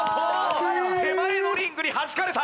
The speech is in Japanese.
手前のリングにはじかれた！